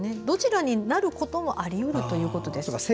どちらになることもあり得るということです。